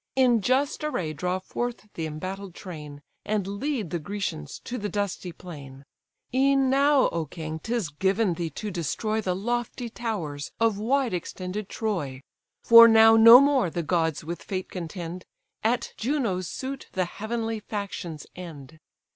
In just array draw forth the embattled train, And lead the Grecians to the dusty plain; E'en now, O king! 'tis given thee to destroy The lofty towers of wide extended Troy. For now no more the gods with fate contend, At Juno's suit the heavenly factions end.